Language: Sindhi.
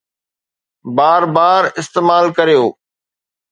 بار بار استعمال ڪريو